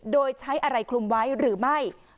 โดยใช้อะไรคลุมไว้หรือไม่